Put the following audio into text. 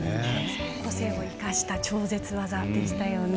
個性を生かした超絶技でしたね。